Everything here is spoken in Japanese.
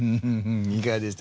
いかがでした？